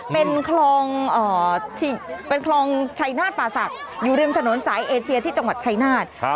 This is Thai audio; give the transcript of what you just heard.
เป็นคลองชัยนาธิ์ป่าศักดิ์อยู่เรือบนถนนศาอีเอเชียที่จังหวัดชัยนาธิ์